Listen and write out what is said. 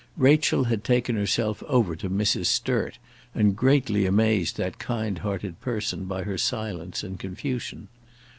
Rachel had taken herself over to Mrs. Sturt, and greatly amazed that kindhearted person by her silence and confusion.